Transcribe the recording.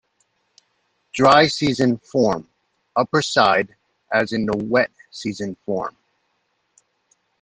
Dry-season form: Upperside as in the wet-season form.